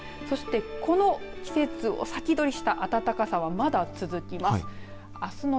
そして、この季節を先取りした暖かさはまだ続きます。